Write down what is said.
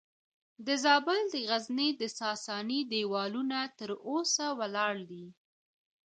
د زابل د غزنیې د ساساني دیوالونه تر اوسه ولاړ دي